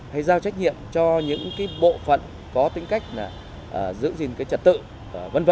hay giao trách nhiệm cho những bộ phận có tính cách giữ gìn cái trật tự v v